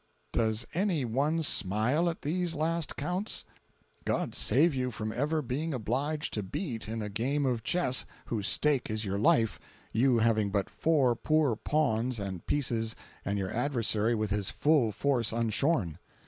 Does any one smile at these last counts? God save you from ever being obliged to beat in a game of chess, whose stake is your life, you having but four poor pawns and pieces and your adversary with his full force unshorn.